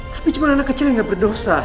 tapi cuma anak kecil yang gak berdosa